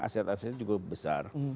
aset asetnya cukup besar